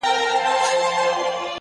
• ددې ښكلا ـ